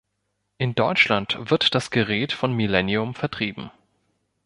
In Deutschland wird das Gerät von Millennium vertrieben.